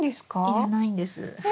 要らないんです。